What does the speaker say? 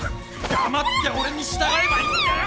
黙って俺に従えばいいんだよ！